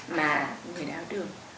mà người đeo đường